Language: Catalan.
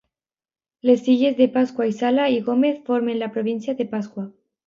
Les illes de Pasqua i Sala i Gómez formen la província de Pasqua.